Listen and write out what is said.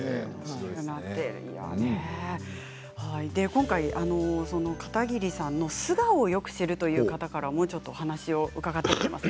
今回、片桐さんの素顔をよく知るという方からも話を伺っています。